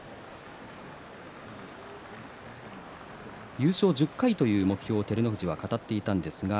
優勝１０回という目標を照ノ富士は語っていました。